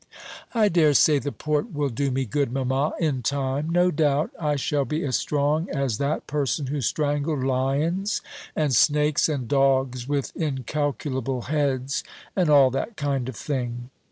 "I dare say the port will do me good, mamma, in time. No doubt I shall be as strong as that person who strangled lions and snakes and dogs with incalculable heads, and all that kind of thing."